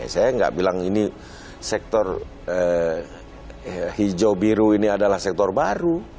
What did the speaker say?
saya nggak bilang ini sektor hijau biru ini adalah sektor baru